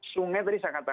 sungai tadi saya katakan